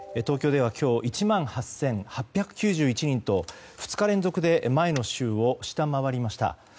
東京では今日１万８８９１人と２日連続で前の週を下回りました。